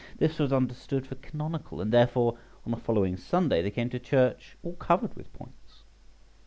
This was understood for canonical, and therefore on the following Sunday they came to church all covered with points.